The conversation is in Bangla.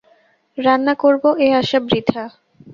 রান্না করব এ আশা বৃথা।